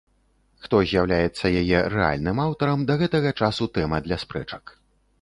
Хто з'яўляецца яе рэальным аўтарам, да гэтага часу тэма для спрэчак.